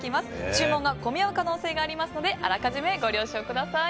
注文が混み合う可能性があるのであらかじめご了承ください。